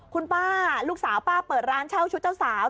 คุณป้าลูกสาวป้าเปิดร้านเช่าชุดเจ้าสาว